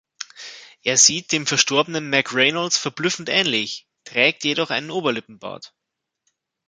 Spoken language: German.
Er sieht dem verstorbenen Mac Reynolds verblüffend ähnlich, trägt jedoch einen Oberlippenbart.